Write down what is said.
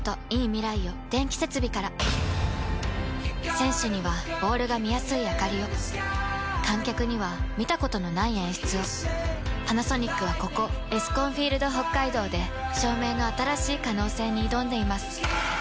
選手にはボールが見やすいあかりを観客には見たことのない演出をパナソニックはここエスコンフィールドＨＯＫＫＡＩＤＯで照明の新しい可能性に挑んでいます